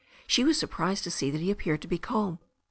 She was surprised to see that he ap peared to be calm.